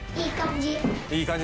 いい感じ。